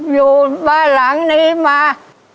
อยู่บ้านหลังนี้มา